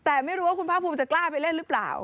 แต่ไม่รู้ว่าคุณภาคภูมิจะกล้าไปเล่นหรือเปล่า